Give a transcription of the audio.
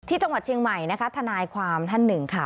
จังหวัดเชียงใหม่นะคะทนายความท่านหนึ่งค่ะ